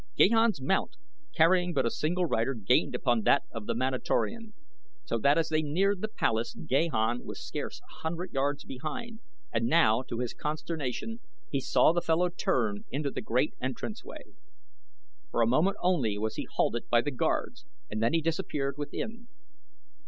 Gahan's mount, carrying but a single rider, gained upon that of the Manatorian, so that as they neared the palace Gahan was scarce a hundred yards behind, and now, to his consternation, he saw the fellow turn into the great entrance way. For a moment only was he halted by the guards and then he disappeared within.